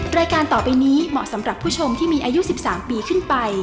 รายการต่อไปนี้เหมาะสำหรับผู้ชมที่มีอายุ๑๓ปีขึ้นไป